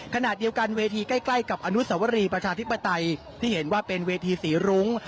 ขณะเดียวกันเวทีใกล้กับอนุสวรีประชาธิปไตยที่เห็นว่าเป็นเวทีสีรุ้ง